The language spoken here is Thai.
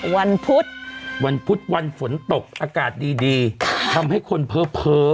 วันพุธวันพุธวันฝนตกอากาศดีดีทำให้คนเพ้อ